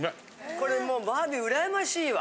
これもうバービーうらやましいわ。